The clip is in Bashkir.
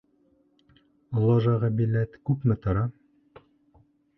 Ложаға билет күпме тора?